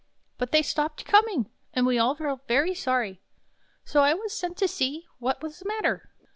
But they stopped coming, and we all felt very sorry. So I was sent to see what was the matter."